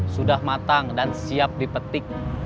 sudah matang dan siap dipetik